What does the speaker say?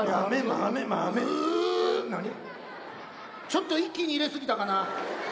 ちょっと一気に入れ過ぎたかな。